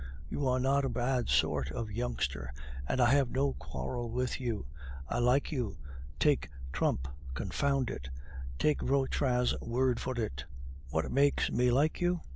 You are not a bad sort of youngster, and I have no quarrel with you. I like you, take Trump (confound it!) take Vautrin's word for it. What makes me like you?